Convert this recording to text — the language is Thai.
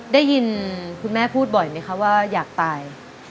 ได้ยินคุณแม่พูดบ่อยไหมคะว่าอยากตาย